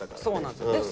そうなんですよ。